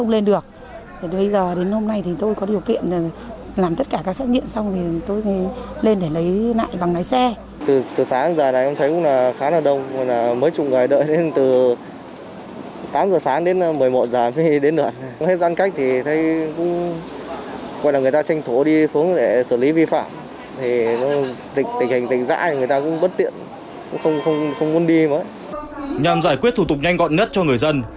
nhanh giải quyết thủ tục nhanh gọn nhất cho người dân